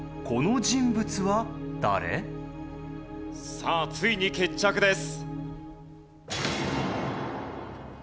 さあついに決着です。